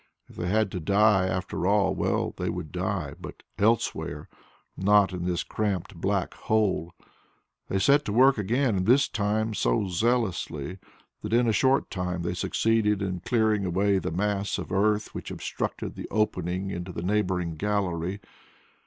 If they had to die after all, well, they would die, but elsewhere, not in this cramped black hole. They set to work again, and this time so zealously that in a short time they succeeded in clearing away the mass of earth which obstructed the opening into the neighbouring gallery.